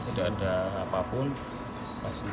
tidak ada apapun